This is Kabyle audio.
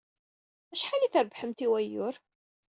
Acḥal ay trebbḥemt i wayyur?